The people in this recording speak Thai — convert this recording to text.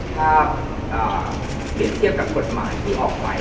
ถ้าเป็นเทียบกับกฎหมายที่ออกไป